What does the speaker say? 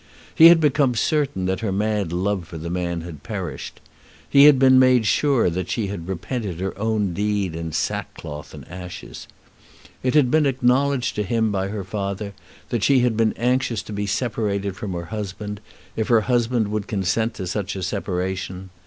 He had become certain that her mad love for the man had perished. He had been made sure that she had repented her own deed in sackcloth and ashes. It had been acknowledged to him by her father that she had been anxious to be separated from her husband, if her husband would consent to such a separation.